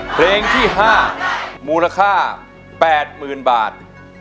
เพลงที่๕มูลค่า๘๐๐๐บาท